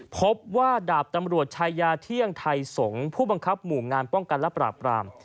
พบว่าดาบตำรวจชายาเที่ยงไทยสงศ์ผู้บังคับหมู่งานป้องกันและปราบราม